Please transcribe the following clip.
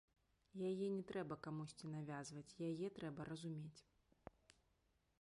Яе не трэба камусьці навязваць, яе трэба разумець.